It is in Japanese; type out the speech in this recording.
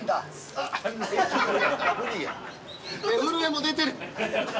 手震えも出てる。